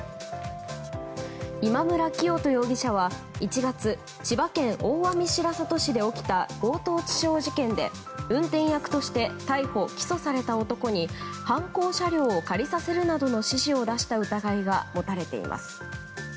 今村磨人容疑者は１月千葉県大網白里市で起きた強盗致傷事件で、運転役として逮捕・起訴された男に犯行車両を借りさせるなどの指示を出した疑いが持たれています。